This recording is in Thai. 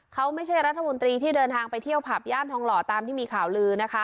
เขาไม่ใช่รัฐมนตรีที่เดินทางไปเที่ยวผับย่านทองหล่อตามที่มีข่าวลือนะคะ